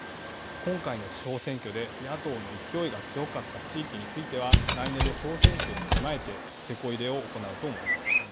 今回の地方選挙で野党の勢いが強かった地域については来年の総選挙に備えててこ入れを行うと思います。